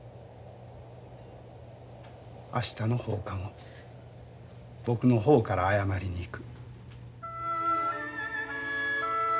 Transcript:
明日の放課後僕の方から謝りに行く。